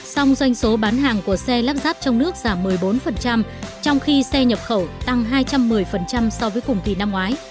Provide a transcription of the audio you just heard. song doanh số bán hàng của xe lắp ráp trong nước giảm một mươi bốn trong khi xe nhập khẩu tăng hai trăm một mươi so với cùng kỳ năm ngoái